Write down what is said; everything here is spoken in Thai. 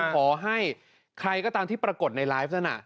ขอให้ใครก็ตามที่ปรากฏในไลฟ์นั้น